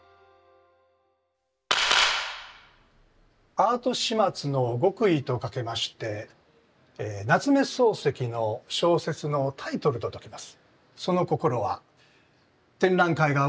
「アート・シマツの極意」とかけまして「夏目漱石の小説のタイトル」と解きます。